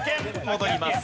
戻ります。